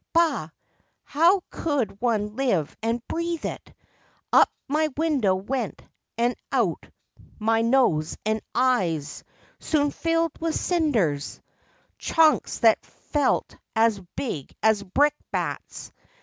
Bah ! how could one live and breathe it! Up my window went, and out my Nose and eyes—soon filled with cinders— Chunks that felt as big as brick bats.